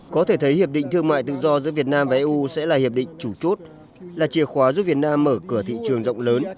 có thể thấy hiệp định thương mại tự do giữa việt nam và eu sẽ là hiệp định chủ chốt là chìa khóa giúp việt nam mở cửa thị trường rộng lớn